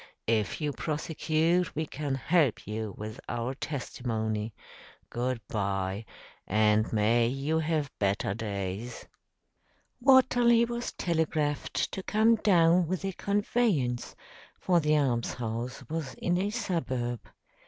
If you prosecute, we can help you with our testimony. Goodbye, and may you have better days!" Watterly was telegraphed to come down with a conveyance for the almshouse was in a suburb.